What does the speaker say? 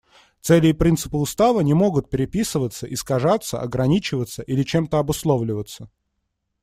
Цели и принципы Устава не могут переписываться, искажаться, ограничиваться или чем-то обусловливаться.